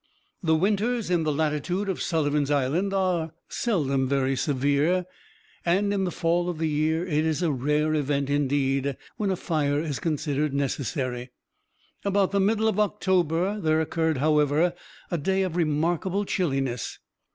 The winters in the latitude of Sullivan's Island are seldom very severe, and in the fall of the year it is a rare event indeed when a fire is considered necessary. About the middle of October, 18 , there occurred, however, a day of remarkable chilliness.